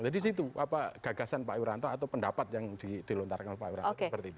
jadi di situ gagasan pak wiranto atau pendapat yang dilontarkan pak wiranto seperti itu